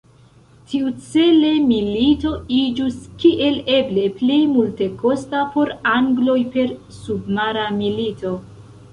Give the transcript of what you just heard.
Tiucele milito iĝus kiel eble plej multekosta por angloj per submara milito.